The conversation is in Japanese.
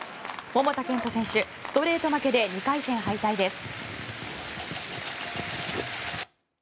桃田賢斗選手、ストレート負けで２回戦敗退です。